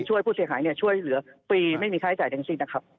ช่วยผู้เสียหายช่วยเหลือฟรีไม่มีค่าใช้จ่ายทั้งสิ้นนะครับ